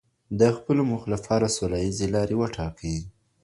د خپلو موخو له پاره سوله یيزي لاري وټاکئ.